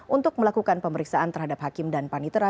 untuk melakukan pemeriksaan terhadap hakim dan panitera